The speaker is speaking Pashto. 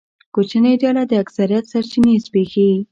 کوچنۍ ډله د اکثریت سرچینې زبېښي.